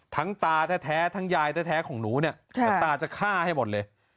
ตาแท้ทั้งยายแท้ของหนูเนี่ยเดี๋ยวตาจะฆ่าให้หมดเลย